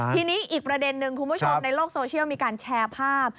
ทีนี้อีกประเด็นหนึ่งคุณผู้ชมในโลกโซเชียลมีการแชร์ภาพ